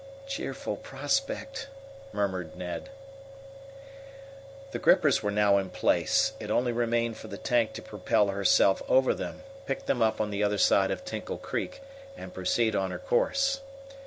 "Cheerful prospect," murmured Ned. The grippers were now in place. It only remained for the tank to propel herself over them, pick them up on the other side of Tinkle Creek, and proceed on her course.